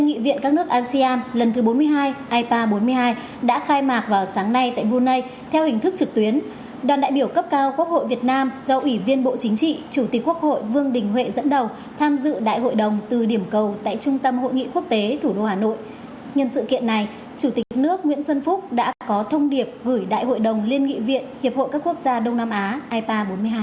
nhân sự kiện này chủ tịch nước nguyễn xuân phúc đã có thông điệp gửi đại hội đồng liên nghị viện hiệp hội các quốc gia đông nam á ipa bốn mươi hai